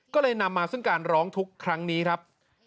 ก็เลยนำมาซึ่งการร้องทุกข์ครั้งนี้ครับ